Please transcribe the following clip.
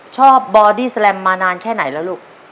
บอดี้แลมมานานแค่ไหนแล้วลูก